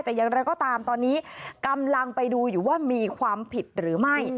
แต่อย่างไรก็ตามตอนนี้กำลังไปดูอยู่ว่ามีความผิดหรือไม่